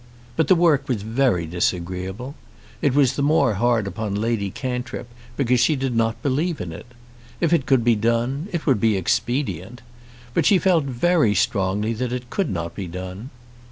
But the work was very disagreeable. It was the more hard upon Lady Cantrip because she did not believe in it. If it could be done, it would be expedient. But she felt very strongly that it could not be done.